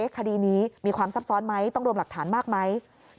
คดีนี้มีความซับซ้อนไหมต้องรวมหลักฐานมากไหม